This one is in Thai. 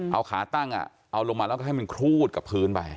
เอาขาตั้งเอาลงมาแล้วก็ให้มันครูดกับพื้นไป